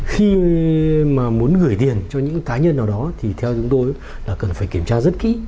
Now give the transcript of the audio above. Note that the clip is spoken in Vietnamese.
khi mà muốn gửi tiền cho những cá nhân nào đó thì theo chúng tôi là cần phải kiểm tra rất kỹ